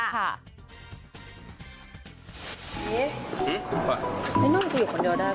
ฉลาดมากมันร่วงกดริมมงค์ริมมงค์